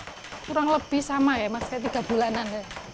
kurang lebih sama ya mas kayak tiga bulanan